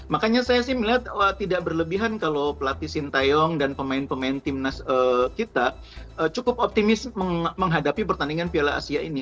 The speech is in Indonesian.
makanya saya sih melihat tidak berlebihan kalau pelatih sintayong dan pemain pemain tim kita cukup optimis menghadapi pertandingan piala asia ini